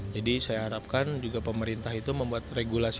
jadi saya harapkan juga pemerintah itu membuat regulasi